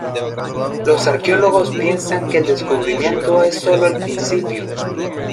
Los Arqueólogos piensan que el descubrimiento es sólo el principio.